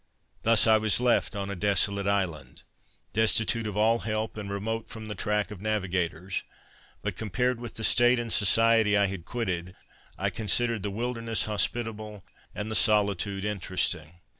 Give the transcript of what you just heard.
Thus I was left on a desolate island, destitute of all help, and remote from the track of navigators; but compared with the state and society I had quitted, I considered the wilderness hospitable, and the solitude interesting.